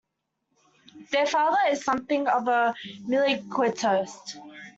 Their father is something of a milquetoast.